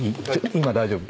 今大丈夫？